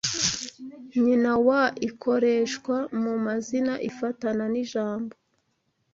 nyina wa ikoreshwa mu mazina ifatana n’ijambo